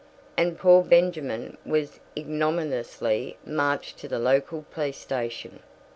_" And poor Benjamin was ignominiously marched to the local police station.